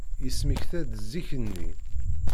Yesmekta-d zik-nni.